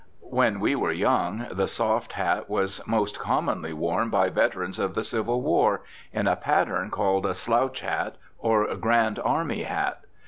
When we were young the soft hat was most commonly worn by veterans of the Civil War, in a pattern called a "slouch hat" or "Grand Army hat."